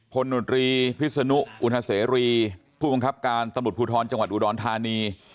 นตรีพิศนุอุณเสรีผู้บังคับการตำรวจภูทรจังหวัดอุดรธานี